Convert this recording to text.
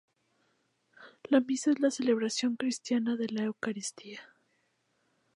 La misa es la celebración cristiana de la Eucaristía.